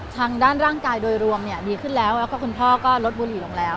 ทางด้านร่างกายโดยรวมดีขึ้นแล้วแล้วก็คุณพ่อก็ลดบุหรี่ลงแล้ว